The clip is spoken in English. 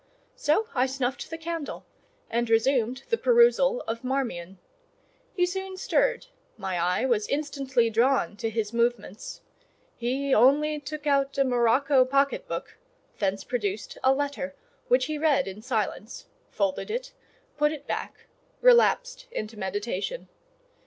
So I snuffed the candle and resumed the perusal of "Marmion." He soon stirred; my eye was instantly drawn to his movements; he only took out a morocco pocket book, thence produced a letter, which he read in silence, folded it, put it back, relapsed into meditation.